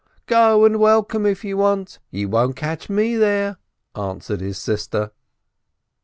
"Go and welcome, if you want to — you won't catch me there," answered his sister.